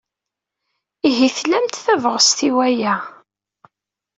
Ihi tlamt tabɣest i waya?